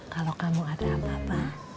kalau kamu ada apa apa